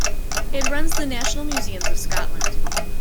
It runs the national museums of Scotland.